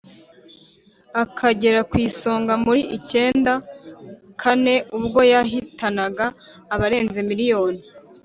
akagera kw'isonga muri icyenda kane ubwo yahitanaga abarenze miliyoni